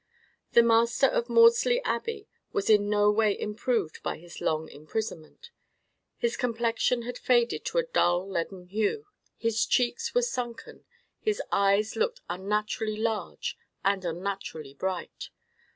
The master of Maudesley Abbey was in no way improved by his long imprisonment. His complexion had faded to a dull leaden hue; his cheeks were sunken; his eyes looked unnaturally large and unnaturally bright.